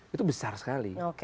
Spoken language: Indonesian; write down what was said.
itu besar sekali